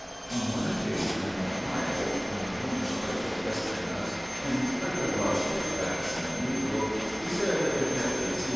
On one occasion, in Ohio, when the home guards were peppering us in rather livelier fashion than usual, he said to Captain C.